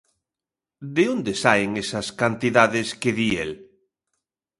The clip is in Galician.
¿De onde saen esas cantidades que di el?